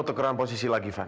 terima kasih irfan